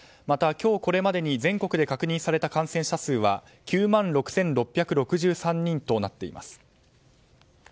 また、今日これまでに全国で確認された感染者数は９万６６６３人となっています。